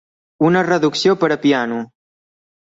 Una reducció per a piano.